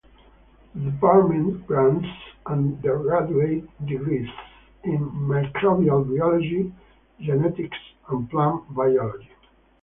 The department grants undergraduate degrees in: Microbial Biology, Genetics and Plant Biology.